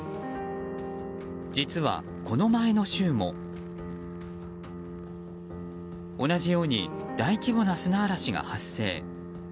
実は、この前の週も同じように大規模な砂嵐が発生。